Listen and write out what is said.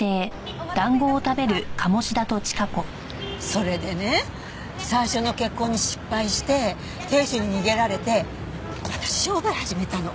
それでね最初の結婚に失敗して亭主に逃げられて私商売を始めたの。